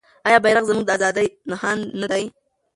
آیا بیرغ زموږ د ازادۍ نښان نه دی؟